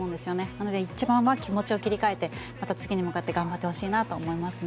なので一番は気持ちを切り替えてまた次に向かって頑張ってほしいなと思いますね。